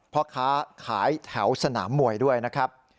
พ่อค้าขายแถวสนามมวยด้วยนะครับ